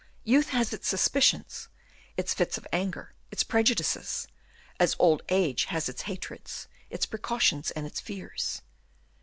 Youth has its suspicions, its fits of anger, its prejudices, as old age has its hatreds, its precautions, and its fears.